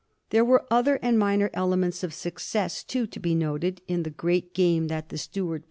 There were other and minor elements of success, too, to be noted in the great game that the Stuart prince 210 •A.